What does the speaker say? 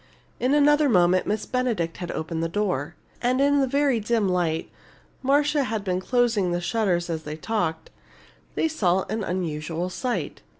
In another moment Miss Benedict had opened the door. And in the very dim light (Marcia had been closing the shutters as they talked) they saw an unusual sight.